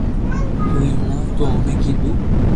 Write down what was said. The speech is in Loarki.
تو ھي ھڻاو تو اوڻي ڪيدو